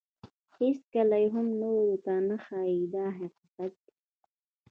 هیڅکله یې هم نورو ته نه ښایي دا حقیقت دی.